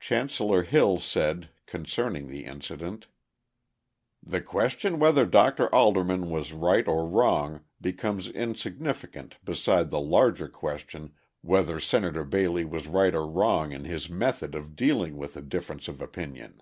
Chancellor Hill said, concerning the incident: "The question whether Dr. Alderman was right or wrong becomes insignificant beside the larger question whether Senator Bailey was right or wrong in his method of dealing with a difference of opinion.